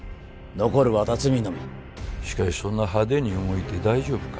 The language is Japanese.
残るは龍海のみしかしそんな派手に動いて大丈夫か？